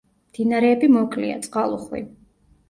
მდინარეები მოკლეა, წყალუხვი.